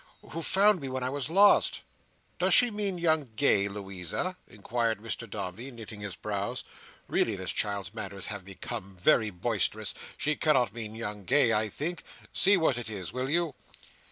"Who found me when I was lost." "Does she mean young Gay, Louisa?" inquired Mr Dombey, knitting his brows. "Really, this child's manners have become very boisterous. She cannot mean young Gay, I think. See what it is, will you?"